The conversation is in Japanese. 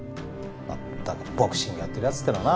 まったくボクシングやってる奴ってのはな。